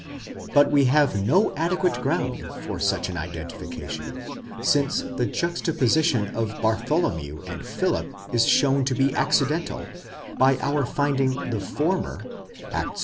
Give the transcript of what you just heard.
But we have no ade quate ground for such an identification, since the juxtaposition of Bartholomew and Philip is shown to be accidental, by our finding the former (Acts i.